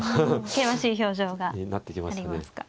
険しい表情がありますか。